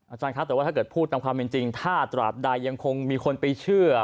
อาจารย์ครับแต่ว่าถ้าเกิดพูดตามความเป็นจริงถ้าตราบใดยังคงมีคนไปเชื่อ